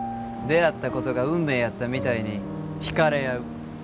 出会ったことが運命やったみたいに引かれ合う。